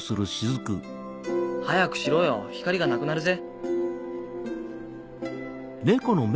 早くしろよ光がなくなるぜ。